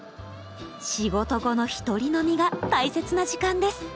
仕事後のひとり飲みが大切な時間です。